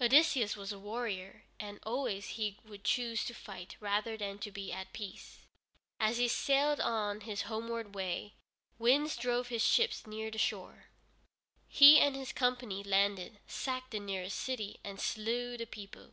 Odysseus was a warrior, and always he would choose to fight rather than to be at peace. As he sailed on his homeward way, winds drove his ships near the shore. He and his company landed, sacked the nearest city, and slew the people.